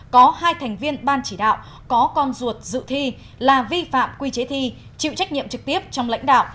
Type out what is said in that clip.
có hai thành viên ban chỉ đạo có con ruột dự thi là vi phạm quy chế thi chịu trách nhiệm trực tiếp trong lãnh đạo